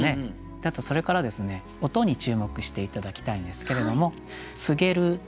あとそれからですね音に注目して頂きたいんですけれども。